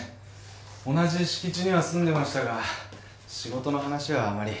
同じ敷地には住んでましたが仕事の話はあまり。